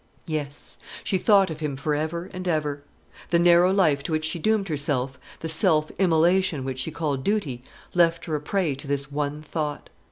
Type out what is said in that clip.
Yes; she thought of him for ever and ever. The narrow life to which she doomed herself, the self immolation which she called duty, left her a prey to this one thought.